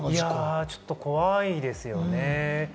ちょっと怖いですよね。